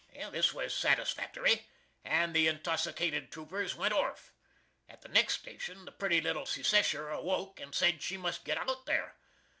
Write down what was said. This was satisfactory and the intossicated troopers went orf. At the next station the pretty little Secessher awoke and sed she must git out there.